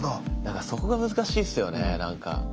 だからそこが難しいっすよねなんか。